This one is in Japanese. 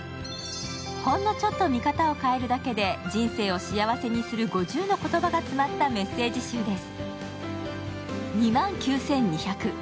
ほんのちょっと見方を変えるだけで人生を幸せにする５０の言葉が詰まったメッセージ集です。